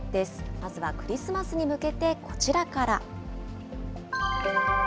まずはクリスマスに向けて、こちらから。